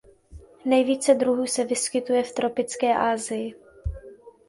Nejvíce druhů se vyskytuje v tropické Asii.